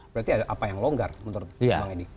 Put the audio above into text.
berarti ada apa yang longgar menurut bang edi